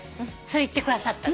それ行ってくださった。